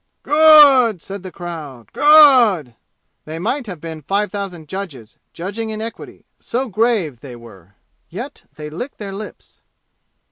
"Good!" said the crowd. "Good!" They might have been five thousand judges, judging in equity, so grave they were. Yet they licked their lips.